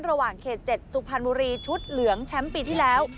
ระหว่างเขต๗สุพรรณบุรีชุดเหลืองแชมป์ปีที่แล้ว